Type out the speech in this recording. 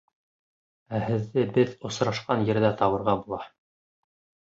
Ә һеҙҙе беҙ осрашҡан ерҙә табырға була.